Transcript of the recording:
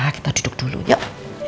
kita duduk dulu yuk